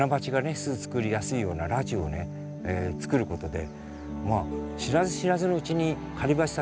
巣作りやすいような裸地をね作ることでまあ知らず知らずのうちに狩りバチたちをね